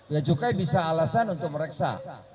ya cukai bisa alasan untuk mereksa